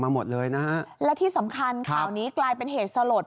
หมดเลยนะฮะและที่สำคัญข่าวนี้กลายเป็นเหตุสลด